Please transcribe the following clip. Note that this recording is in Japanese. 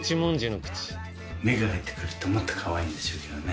目が開いて来るともっとかわいいんでしょうけどね。